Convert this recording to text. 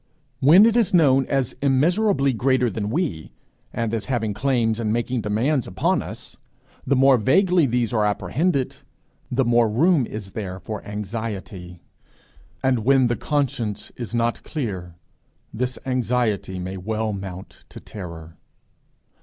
When it is known as immeasurably greater than we, and as having claims and making demands upon us, the more vaguely these are apprehended, the more room is there for anxiety; and when the conscience is not clear, this anxiety may well mount to terror.